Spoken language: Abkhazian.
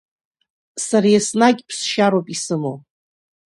Сара еснагь ԥсшьароуп исымоу.